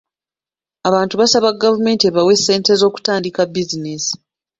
Abantu basaba gavumenti ebawe ssente z'okutandika bizinensi.